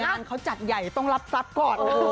งานเขาจัดใหญ่ต้องรับทรัพย์ก่อน